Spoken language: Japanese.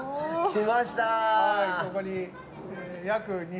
来ました！